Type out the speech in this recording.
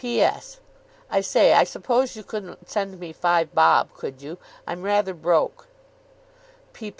"P.S. I say, I suppose you couldn't send me five bob, could you? I'm rather broke.